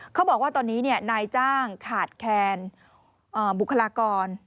เขาบอกว่าตอนนี้นายจ้างขาดแคลนบุคลากร